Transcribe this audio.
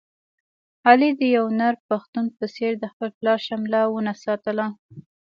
علي د یو نر پښتون په څېر د خپل پلار شمله و نه ساتله.